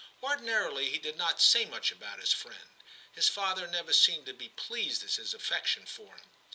Ordinarily he did not say much about his friend ; his father never seemed to be pleased at his affection for him.